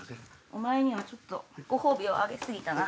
お前にはちょっとご褒美をあげ過ぎたな。